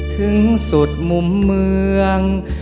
ถึงสุดมุมเมือง